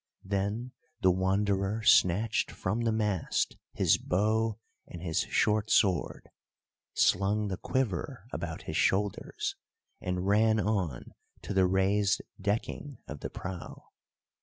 Then the Wanderer snatched from the mast his bow and his short sword, slung the quiver about his shoulders, and ran on to the raised decking of the prow.